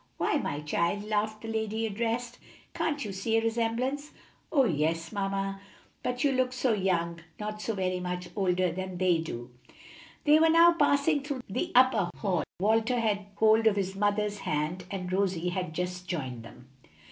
"Why, my child?" laughed the lady addressed; "can't you see a resemblance?" "Oh, yes, ma'am! but you look so young, not so very much older than they do." They were now passing through the upper hall. Walter had hold of his mother's hand, and Rosie had just joined them.